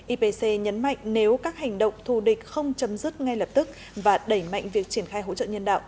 ipc nhấn mạnh nếu các hành động thù địch không chấm dứt ngay lập tức và đẩy mạnh việc triển khai hỗ trợ nhân đạo